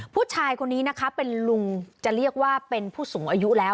ผู้ชายคนนี้นะคะเป็นลุงจะเรียกว่าเป็นผู้สูงอายุแล้ว